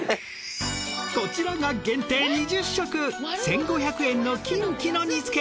こちらが限定２０食１，５００円のキンキの煮付け。